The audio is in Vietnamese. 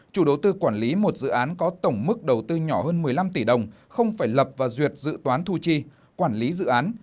chủ đầu tư quản lý một dự án có tổng mức đầu tư nhỏ hơn một mươi năm tỷ đồng không phải lập và duyệt dự toán thu chi quản lý dự án